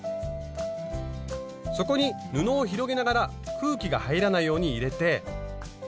そこに布を広げながら空気が入らないように入れて。